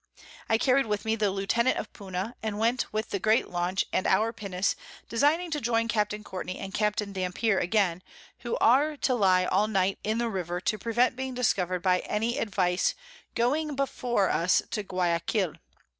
I carried with me the Lieutenant of Puna, and went with the great Launch and our Pinnace, designing to join Capt. Courtney and Capt. Dampier again, who are to lie all Night in the River, to prevent being discover'd by any Advice going up before us to Guiaquil.